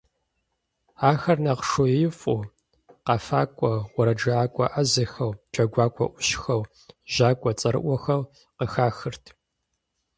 Ахэр нэхъ шууеифӀу, къэфакӀуэ, уэрэджыӀакӀуэ Ӏэзэхэу, джэгуакӀуэ Ӏущхэу, жьакӀуэ цӀэрыӀуэхэу къыхахырт.